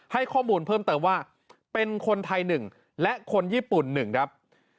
ให้ข้อมูลเพิ่มเติมว่าเป็นคนไทย๑และคนญี่ปุ่น๑ครับ